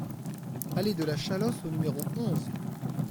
Allée de la Chalosse au numéro onze